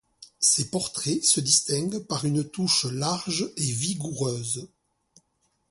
Ses portraits se distinguent par une touche large et vigoureuse.